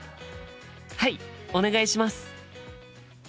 はいお願いします。